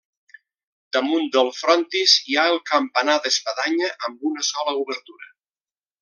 Damunt del frontis hi ha el campanar d'espadanya amb una sola obertura.